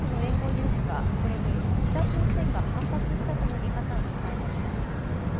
ニュースはこれに北朝鮮が反発したとの見方を伝えています。